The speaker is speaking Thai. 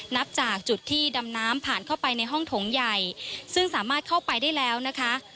นับจากจุดที่ดำน้ำผ่านเข้าไปในห้องถงใหญ่ซึ่งสามารถเข้าไปได้แล้วนะคะ